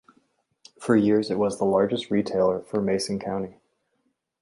For years it was the largest retailer for Mason County.